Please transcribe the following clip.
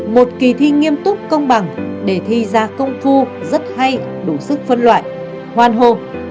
một kỳ thi nghiêm túc công bằng để thi ra công thu rất hay đủ sức phân loại hoan hồ